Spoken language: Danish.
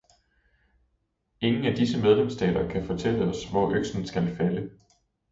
Ingen af disse medlemsstater kan fortælle os, hvor øksen skal falde.